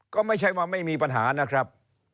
ก็ไม่ใช่ว่าไม่มีปัญหานะครับ